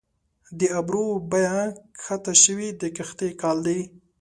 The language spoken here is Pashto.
د ابرو بیه کښته شوې د قحطۍ کال دي